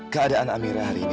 keadaan amira hari ini